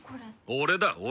俺だ俺。